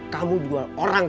kamu jual orang